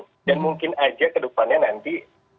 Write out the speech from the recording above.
dan mungkin aja kedepannya nanti